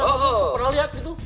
aku pernah lihat gitu